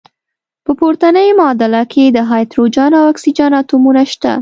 په پورتني معادله کې د هایدروجن او اکسیجن اتومونه شته.